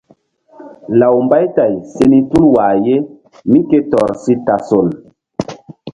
Law Mbaytay se ni tul wah ye mí ke tɔr si tasol.